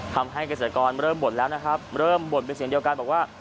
ทำให้เกษตรกรเริ่มบ่นแล้วนะครับเริ่มบ่นเป็นเสียงเดียวกันบอกว่า